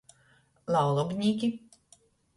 Laulobnīki.